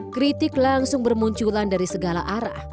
kritik langsung bermunculan dari segala arah